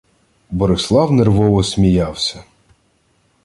Борислав нервово сміявся: